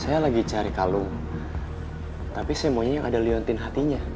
saya lagi cari kalung tapi semuanya yang ada liontin hatinya